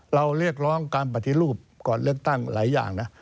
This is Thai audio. เรียกร้องการปฏิรูปก่อนเลือกตั้งหลายอย่างนะ